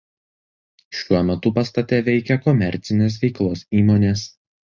Šiuo metu pastate veikia komercinės veiklos įmonės.